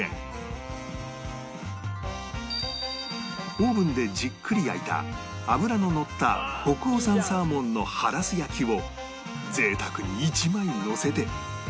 オーブンでじっくり焼いた脂ののった北欧産サーモンのハラス焼きを贅沢に１枚のせて